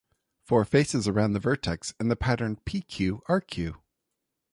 Four faces around the vertex in the pattern p.q.r.q.